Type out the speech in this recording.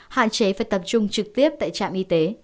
hạn chế phải tập trung trực tiếp tại trạm y tế